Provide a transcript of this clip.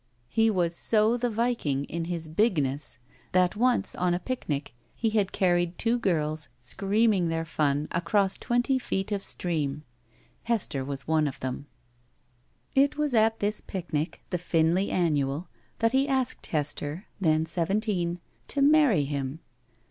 He was so the viking in his bigness that once, on 62 BACK PAY a picnic, he had carried two girls, screaming their fun, across twenty feet of stream. Hester was one of them. It was at this picnic, the Pinley annual, that he asked Hester, then seventeen, to marry him.